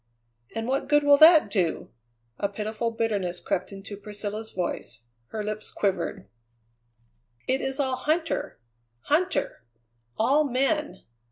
"And what good will that do?" A pitiful bitterness crept into Priscilla's voice; her lips quivered. "It is all Huntter! Huntter! All men!